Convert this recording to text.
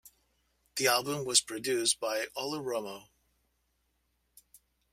The album was produced by Olle Romo.